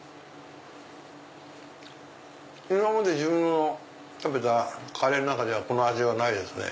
今まで食べたカレーの中ではこの味はないですね。